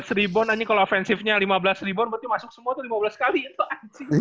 ini tujuh belas rebound ini kalau offensive nya lima belas rebound berarti masuk semua tuh lima belas kali itu anjing